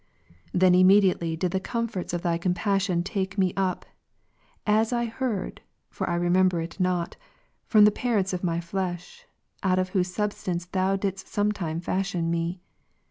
Then immediately did the comforts of Thy compassion take me ujD, as I heard (for I remember it not) from the parents of my flesh, out of whose substance Thou didst sometime • fashion me.